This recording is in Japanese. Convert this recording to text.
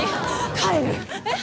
帰るえっ？